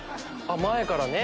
前からね。